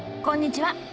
こんにちは